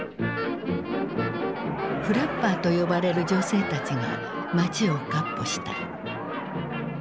フラッパーと呼ばれる女性たちが街をかっ歩した。